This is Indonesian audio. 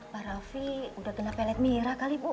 pak raffi udah kena pelet mira kali bu